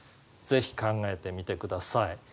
是非考えてみてください。